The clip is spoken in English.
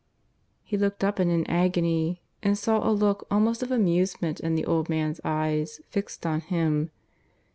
..." He looked up in an agony, and saw a look almost of amusement in the old man's eyes fixed on him.